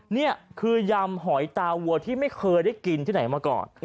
นี่คือยำหอยตาวัวที่ไม่เคยได้กินที่ไหนมาก่อน